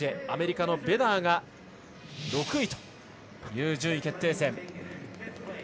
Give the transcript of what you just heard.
アメリカのベダーが６位という順位決定戦。